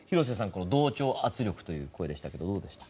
この同調圧力という声でしたけどどうでした？